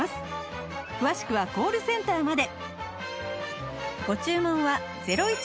詳しくはコールセンターまで